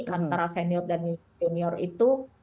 antara senior dan junior itu